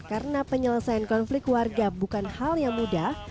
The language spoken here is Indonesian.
karena penyelesaian konflik warga bukan hal yang mudah